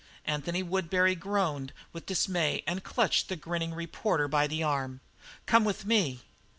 Anthony Woodbury groaned with dismay and clutched the grinning reporter by the arm. "Come with me!"